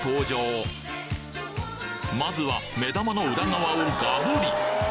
まずは目玉の裏側をガブリ！